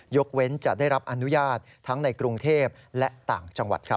ยกเว้นจะได้รับอนุญาตทั้งในกรุงเทพและต่างจังหวัดครับ